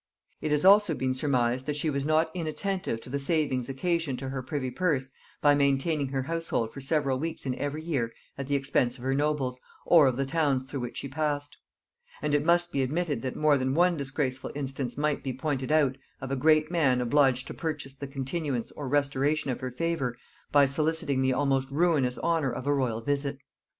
It has also been surmised, that she was not inattentive to the savings occasioned to her privy purse by maintaining her household for several weeks in every year at the expense of her nobles, or of the towns through which she passed; and it must be admitted that more than one disgraceful instance might be pointed out, of a great man obliged to purchase the continuance or restoration of her favor by soliciting the almost ruinous honor of a royal visit.